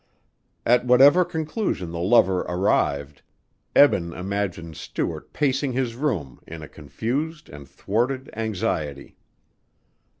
At whatever conclusion the lover arrived, Eben imagined Stuart pacing his room in a confused and thwarted anxiety.